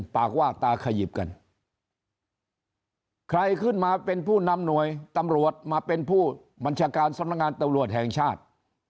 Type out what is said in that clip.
ปากว่าตาขยิบกันใครขึ้นมาเป็นผู้นำหน่วยตำรวจมาเป็นผู้บัญชาการสำนักงานตำรวจแห่งชาติ